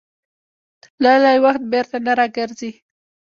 تللی وخت بېرته نه راګرځي.